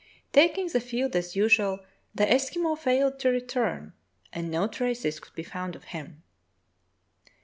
Taking the field as usual, the Eskimo failed to return, and no traces could be found of him.